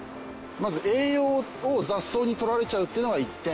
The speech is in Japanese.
まず栄養を雑草に取られちゃうっていうのが一点。